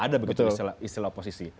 ada begitu istilah oposisi